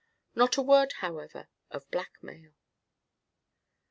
Not a word, however, of blackmail.